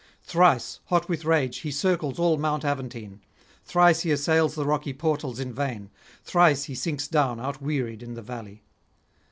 Thrice, hot with rage, he circles all Mount Aventine; thrice he assails the rocky portals in vain; thrice he sinks down outwearied in the valley.